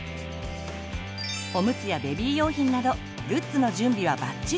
おむつやベビー用品などグッズの準備はバッチリ。